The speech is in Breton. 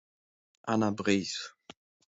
Anna Vreizh.